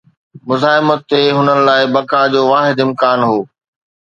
مزاحمت ئي هنن لاءِ بقا جو واحد امڪان هو.